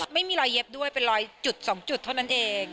ไม่มีรอยเย็บด้วยเป็นรอยจุด๒จุดเท่านั้นเอง